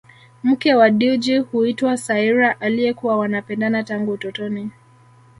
Mke wa Dewji huitwa Saira aliyekuwa wanapendana tangu utotoni